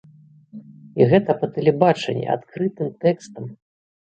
І гэта па тэлебачанні, адкрытым тэкстам!